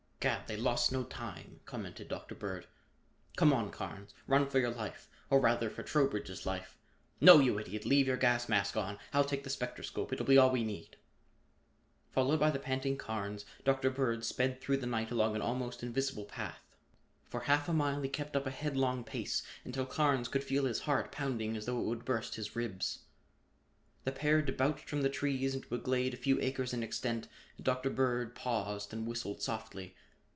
"Gad! They lost no time!" commented Dr. Bird. "Come on, Carnes, run for your life, or rather, for Trowbridge's life. No, you idiot, leave your gas mask on. I'll take the spectroscope; it'll be all we need." Followed by the panting Carnes, Dr. Bird sped through the night along an almost invisible path. For half a mile he kept up a headlong pace until Carnes could feel his heart pounding as though it would burst his ribs. The pair debouched from the trees into a glade a few acres in extent and Dr. Bird paused and whistled softly.